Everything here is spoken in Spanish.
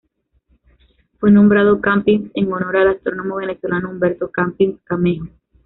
Fue nombrado Campins en honor al astrónomo venezolano Humberto Campins Camejo.